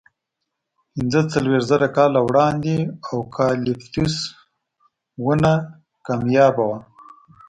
پینځهڅلوېښت زره کاله وړاندې اوکالیپتوس ونه کمیابه وه.